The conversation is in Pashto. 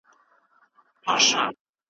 د خیبر دره د تاریخ شاهده ده.